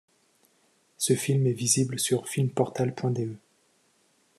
Ce film est visible sur Filmportal.de.